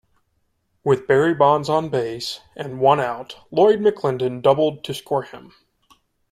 With Barry Bonds on base and one out, Lloyd McClendon doubled to score him.